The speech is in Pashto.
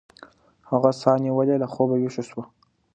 هغه ساه نیولې له خوبه ویښه شوه.